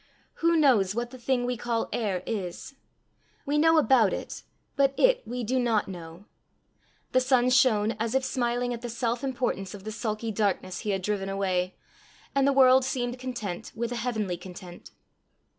Who knows what the thing we call air is? We know about it, but it we do not know. The sun shone as if smiling at the self importance of the sulky darkness he had driven away, and the world seemed content with a heavenly content.